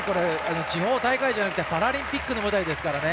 地方大会じゃなくてパラリンピックの舞台ですからね。